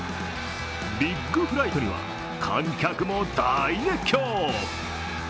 ビッグフライトには観客も大熱狂。